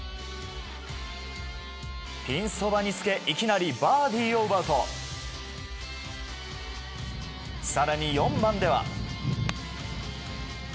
ピンそばにつけいきなりバーディーを奪うと更に４番では。